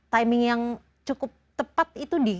timing yang cukup tepat itu di